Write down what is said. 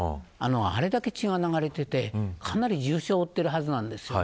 あれだけ血が流れていてかなり重傷を負っているはずなんです。